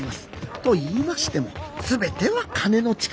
といいましてもすべては金の力。